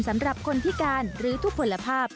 สำหรับคนพิการหรือทุกผลภาพ